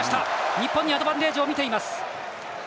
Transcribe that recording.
日本にアドバンテージをみています。